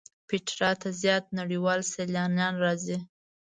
پېټرا ته زیات نړیوال سیلانیان راځي.